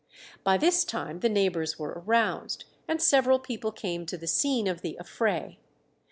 By this time the neighbours were aroused, and several people came to the scene of the affray.